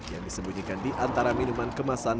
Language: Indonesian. yang disembunyikan di antara minuman kemasan